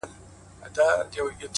د سکريټو آخيري قطۍ ده پاته;